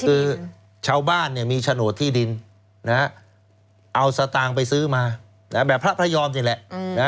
คือชาวบ้านมีโฉนดที่ดินเอาสตางค์ไปซื้อมาแบบพระพระยอมนี่แหละ